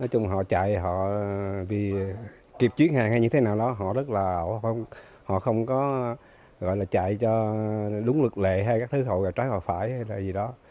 họ chạy họ vì kịp chuyến hàng hay như thế nào đó họ rất là họ không họ không có gọi là chạy cho đúng lực lệ hay các thứ hậu gà trái hậu phải hay là gì đó